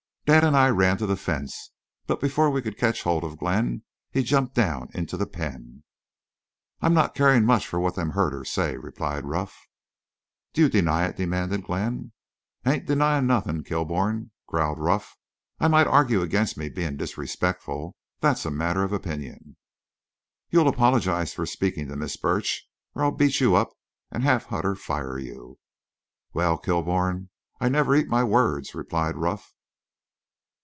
'" "Dad an' I ran to the fence, but before we could catch hold of Glenn he'd jumped down into the pen." "'I'm not carin' much for what them herders say,' replied Ruff. "'Do you deny it?' demanded Glenn. "'I ain't denyin' nothin', Kilbourne,' growled Ruff. 'I might argue against me bein' disrespectful. That's a matter of opinion.' "'You'll apologize for speaking to Miss Burch or I'll beat you up an' have Hutter fire you.' "'Wal, Kilbourne, I never eat my words,' replied Ruff.